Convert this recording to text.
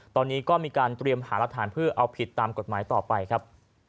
ตอนนี้ก็มีการเตรียมหารักฐานเพื่อเอาผิดตามกฎหมายต่อไปครับ